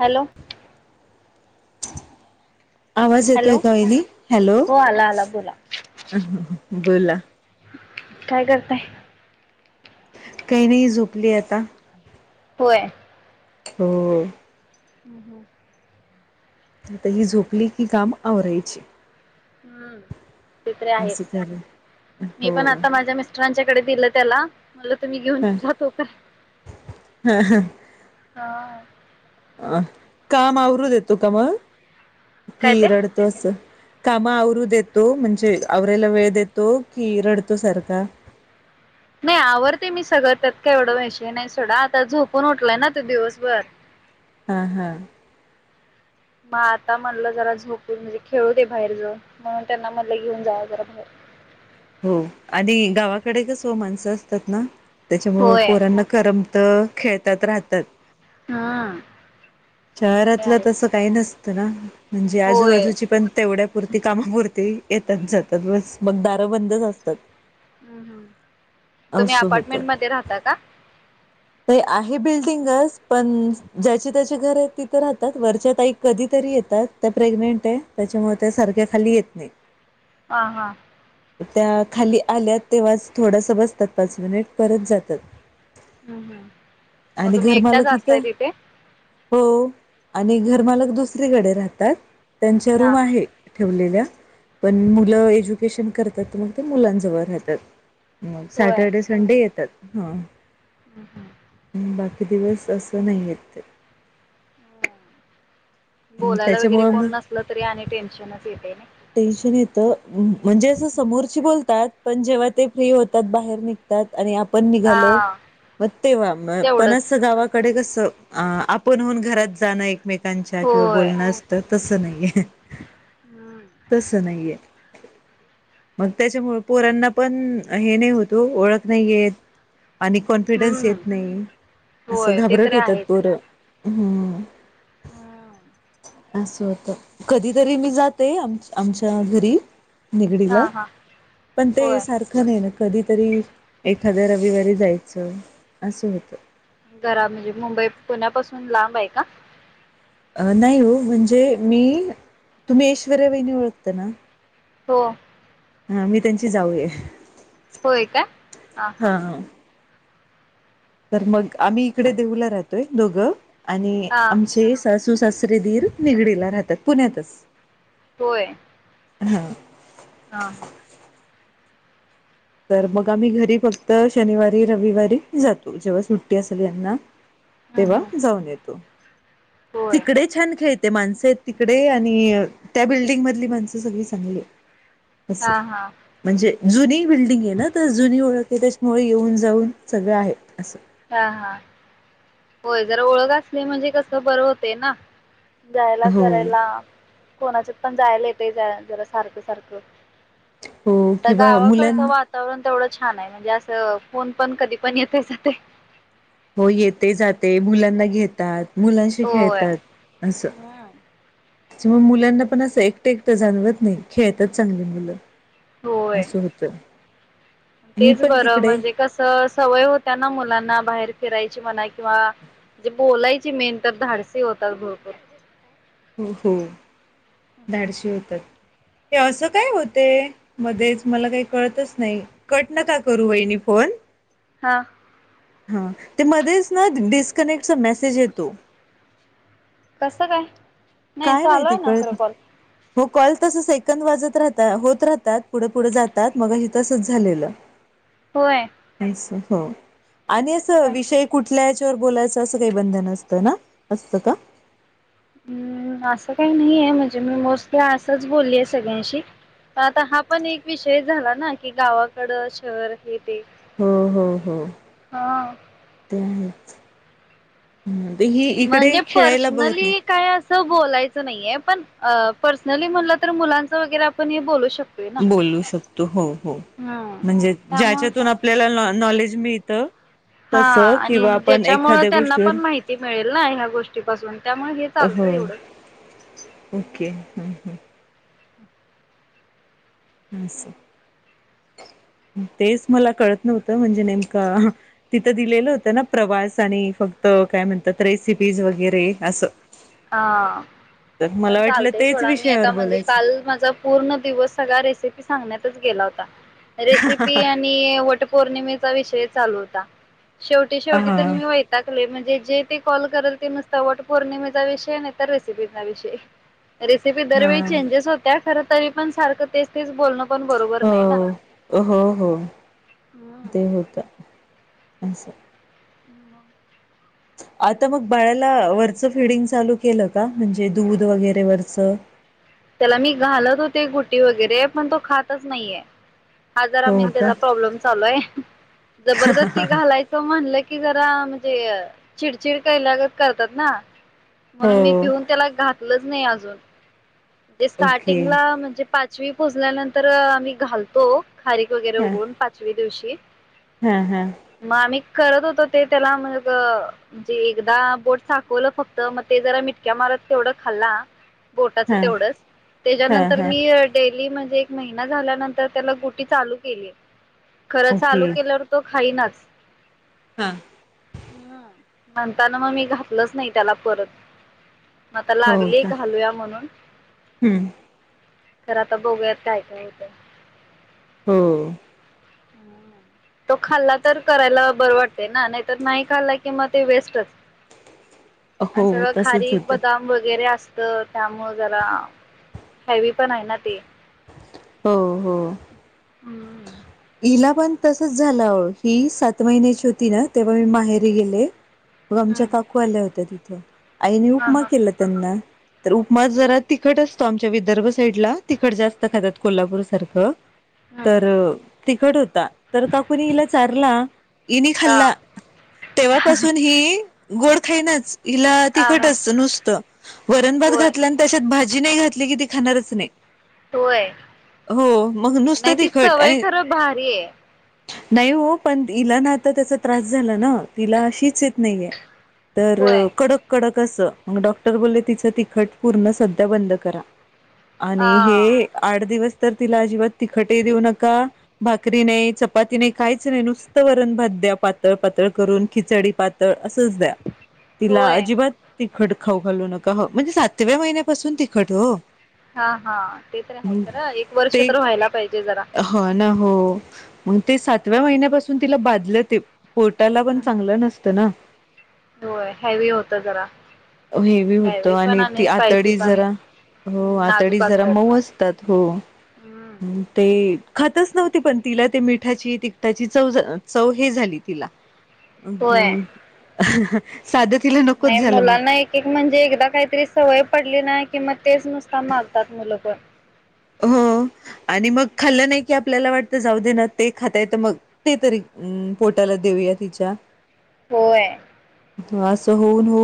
Hello. आवाज येतोय hello का वहीनी हॅलो. हो आला आला बोला बोला. काय करताय? काही नाही झोपली आता. होय. हो.. हम्म हम्म. आता ही झोपली की काम आवरायची. हम्म. ते तर असं आहेच झालं. मी पण हो. आता माझ्या मिस्टरांच्या कडे दिल त्याला मला तरी घेऊन अ जातो काय हा. अ काम आवरू देतो का मग काय ते किरडतो अस. कामा आवरू देतो म्हणजे आवरायला वेळ देतो की रडतो सारखा. नाही आवरते मी सगळ त्यात का एवढा विषय नाही सोडा आता झोपून उठलाय ना तो दिवसभर. हा हा. मग आता म्हणलं जरा झोपून म्हणजे खेळू दे बाहेर जाऊन म्हणून त्यांना म्हणल घेऊन जा जरा बाहेर. हो आणि गावाकडे कस माणसं असतात ना. त्याच्यामुळं होय पोरांना करमत. खेळतात राहतात. हा आ. शहरातलं तसं काही नसतं ना म्हणजे होय आजूबाजूची पण तेवढ्यापुरती कामापुरती. येतात जातात बस मग दारं बंदच असतात. हम् हम् तुम्ही असं अपार्टमेंट मध्ये राहता का. ते आहे बिल्डिंगच पण ज्याचे त्याचे घर आहे तिथं राहतात वरच्या ताई कधीतरी येतात त्या प्रेग्नेंट आहे त्याच्यामुळे त्या सारख्या खाली येत नाही. हा हा त्या खाली आल्या तेव्हाच थोडस बसतात पाच मिनिट परत जातात. हम्म हम्म मग आणि तुम्ही घर एकट्याच मालक इथ असताय तिथे? हो आणि घर घर मालक दुसरीकडे राहतात. त्यांच्या हा रूम हा. आहे ठेवलेल्या पण मुलं एज्युकेशन करतात मग ते मुलांजवळ राहतात. मग सॅटर्डे संडे येतात. हा [inaudible] हम् [inaudible] बाकी दिवस असं नाही येत ते. बोलायला वगैरे त्याच्यामुळे मग कोण नसल तरी आणि टेन्शनच येते नाही. टेन्शन येत म्हणजे अस समोरची बोल येतात पण जेव्हा ते फ्री होतात बाहेर निघतात. आणि आपण निघालो हा. मग तेव्हा मग तेवढंच फणस गावाकडे कस आपण होऊन घरात जाणं एक एकमेकांच्या किंवा होय. बोलणं असत तसं नाहीे हम्म तस नाहीये मग त्यांच्यामुळ पोरांना पण हे नाही होत ओळख नाहीयेत. आणि कॉन्फिडन्स हम्म येत नाही असं होय ते घाबरट तरी होतात पोरं हम्म होम [inaudible] असं होत कधीतरी मी जात. ते आम आमच्या घरी निगडीला हा हा पण ते होय सारखं नाही ना. कधीतरी एखाद्या रविवारी जायचं असं होतं. जरा म्हणजे मुंबई पुण्यापासून लांब आहे का? अ नाही हो म्हणजे मी तुम्ही ऐश्वर्या वहिनी ओळखत ना? हो हा मी त्यांची जाऊय होय का हा हा तर मग आम्ही इकडे देऊला राहतोय दोघं आणि हा आमचे स सुसासे दीर निगडीला राहतात पुण्यातच होय हा हा हा तर मग आम्ही घरी बघत तर शनिवारी रविवारी जातो. जेव्हा सुट्टी असेल यांना. हम्म तेव्हा हम्म जाऊन येतो. होय तिकडे छान खेळत ते माणसं आहेत, तिकडे आणि त्या बिल्डिंग मधली माणसं सगळी चांगली अस. हा हा म्हणजे जुनी बिल्डिंग आहे ना, तर जुनी ओळख आहे. त्याच्यामुळे येऊन जाऊन सगळं आहे अस. हा हा होय जरा ओळख असली म्हणजे कस बरं होतय ना. जायला हो करायला. कोणाच्या पण जायला येत जरा सारखं सारखं. हो आता किंवा मुलांना गावाकडचं वातावरण तेवढं छान आहे म्हणजे असं कोण पण कधी पण येते जातय. हो येते जाते, मुलांना घेतात, मुलांशी होय खेळतात असं. हम्म. ते मग मुलांना पण असं एकटे एकटं जाणवत नाही. खेळतच चांगली मुलं. होय असं होत ही तेच पण बरं, तिकडे म्हणजे कस सवय होत्या ना मुलांना बाहेर फिरायची म्हणा, किंवा बोलायची मेन तर धाडसी होतात भरपूर. हम्म हम्म. धाडशी होतात. ते असं काय होते मध्येच मला काही कळतच नाही. कट नका करू वहिणी फोन हा हा ते मध्येच ना डिस्कनेक्टचा मेसेज येतो. कसं काय? नाही काय चालू माहिती आहे ना कळत खरं नाही कॉल मग कॉल तसच ऐ वाजत राह होत राहतात पुढे पुढे जातात मग हे तसच झालेलं. होय [unintelligible] हो. आणि अस काय विषय कुठल्या तर बोलायच अस काही बंधन असतं ना, असत का? अम असं काही नाही. आहे म्हणजे मी मोस्टली असंच बोलली आहे. सगळ्यांशी तर आता हा पण एक विषय झाला ना की गावाकड शहर. ते हो हो हो हा. हं. हम्म. ते ही इकडे म्हणजे खेळायला बघत नाही पर्सनली काय असं बोलायच नाईये पण अ पर्सनली म्हणल तर मुलांच वगैरे आपण हे बोलू शकतो. बोलू शकतो हो हो हम्म म्हणजे त्यामुळं ज्याच्यातून आपल्याला नॉन नॉलेज मिळ त हा आणि ज्याच्या मुळ त्यांना गोष्टीवर पण माहिती पाहीलेना ह्या गोष्टी पाासून त्यामुळे हे चालतं हो एवढं ओके हं अस तेच मला कळत नव्हतं म्हणजे नेमका ह तिथं दिलेलं होतं ना प्रवास आणि फक्त काय म्हणतात रेसिपीज वगैरे असं हा. तर मला पण वाटलं चालतय तेच सोडा मी विषयावर आता म्हणजे बोलायचं. काल माझा पूर्ण दिवस सगळा रेसिपी सांगण्यात तुन गेला होता. रेसिपी आणि वट पौर्णिमे तो विषय चालू होता. शेवटी हा शेवटी तर मी वैतागले म्हणजे जे ते कॉल करेल ते नुसत वटपौर्णिमे चा विषय आणितर रेसिपीचा विषय रेसिपी हा दरवेळी चेजेस होत्यात. खर तरी पण सारखं तेच तेच बोलण हो हो हो ते होता. अस [inaudible] आता मग बाळाला वरचं फिडिंग चालू केलं का म्हणजे दूध वगैरे वरचं त्याला मी घालत होते गुटी वगैरे पण तो खातच नाहीये हा जरा हो का [unintelligible] प्रॉब्लेम चालू हे जबरदस्ती घालायच म्हणल की ज त म्हणजे चिडचिड कयलागत करतात ना हो म्हणून मी भिऊून त्याला घातलंच नाही आजु [unintelligible] जे ओके स्टार्टिंगला म्हणजे पाचवी पुोजल्यानंतर अ आम्ही घालतो. खारीक वगैरे उगून पाचवी दिवशी हम्म हम्म. कळत होत ते त्याला मग ते एकदा बोट साफवल फक्त म ते जरा मिटक्या मारत तेवढं खाल्ला बोटा हा तेवढ हा त्यांतर हा मी डेलीमध्ये महिना झाल्यानंतर त्याला गुटी चालू केली. खरं ओके चालू केल्यावर तो खाईनाच हा. म्हणताना मग मी घातलंच नाही त्याला परत म आता हो लागलीए का घालूया म्हणून. हम्म. खरं आता बघूयात काय काय होतय. हो. हा ना, तो खाल्ला तर करायला बरं वाटतयं ना, नाही तर नाही खाल्ला कीं मग ते वेस्टच. आणि हो सगळं तसच खारीक, होत बदाम वगैरे अस तर त्यामुळ जरा हेवी पण आहे ना ते. हो हो. हूम्म. हीला पण तसच झालं, ही सात महिन्याची होती ना तेव्हा मी माहेरी गेले मग आमच्या काकू आल्या होत्या ति तो आईने हा उपमा हा केला त्यांना. तर, उपमा बर जरा तिखट अस आमच्या विदर्भ साईडला तिखट जास्त खातात. कोल्हापूर सारखं हम्म तर अ तिखट होत त तर काकुनी हिला चारला इनी हा खाल्ला, तेव्हापासून हि गोड खाईनाच. इला हा तिखटं हा असं नुसतं, वरण भात होय घातल्यान त्याच्यात भाज जी नाही घातली की, ती खाणारच नाही. होय. हो, मग नुसतं नाही ती तिखट सवय आणि खरं भारी आहे नाही हो पण इला ना आता त्याचा त्रास झाला ना तिला शीच येत नाहीय तर होय कडक, कडक कस? मग डॉक्टर बोलले तिचं तिखट पूर्ण सध्या बंद करा. हा आणि हे दिवस तर तिला अजिबात तिखटही देऊ नका, भाकरी नाही, चपाती नाही, काहीच नाही. नुसतं वरण भात द्या पातळ पातळ करून, खिचडी पातळ. असच द्या तिला होय. अजिबात ति तिखट खाऊ खालू नका हं, म्हणजे सातव्या महिन्यापासून तिखट हो. हा हा ते तर आहे मग क एक वर्ष ते तर व्हायला पाहिजे जरा हो ना हो मग ते सातव्या महिन्यापासून तिला बांदलं ते पोटाला पण हम् चांगलं नसतं ना हम् होय हेवी होत जरा. हेवी होत पण आणि ती स्पायसी आतडी पण जरा हो आतडी नाजूक जरा असतात. मऊ असतात हो ते खातच नव्ह पण तिला मिठाची तिकटाची च चव हे झाली तिला अ हो होय. हां हां साधं तिला नकोच नाही झालं मग मुलांना एक एक म्हणजे एकदा काहीतरी सवय पडली नाही कि मग तेच नुसता मागतात मुलं पण हो आणि मग खाल्लं नाही की आपल्याला वाटत जाऊ दे ना ते खाता येत मग ते तरी पोटाला देऊया तिच्या होय त असं होऊन होऊन